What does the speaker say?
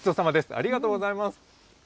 ありがとうございます。